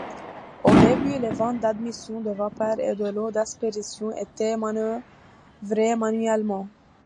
Au début, les vannes d’admission de vapeur et de l’eau d’aspersion étaient manœuvrées manuellement.